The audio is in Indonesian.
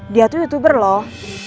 dia tuh youtuber loh